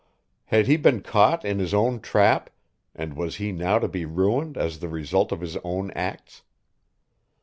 Had he been caught in his own trap, and was he now to be ruined as the result of his own acts?